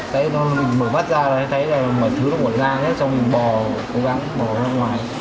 để đảm bảo an toàn cho chính bản thân